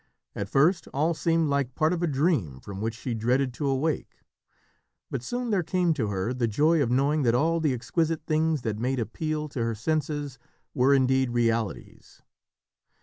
At first all seemed like part of a dream from which she dreaded to awake, but soon there came to her the joy of knowing that all the exquisite things that made appeal to her senses were indeed realities.